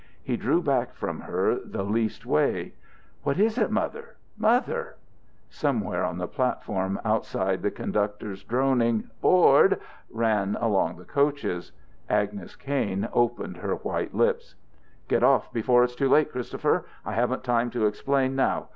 He drew back from her the least way. "What is it, Mother? Mother!" Somewhere on the platform outside the conductor's droning " board" ran along the coaches. Agnes Kain opened her white lips. "Get off before it's too late, Christopher. I haven't time to explain now.